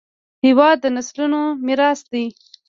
هېواد د نسلونو میراث دی.